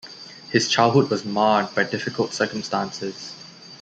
His childhood was marred by difficult circumstances.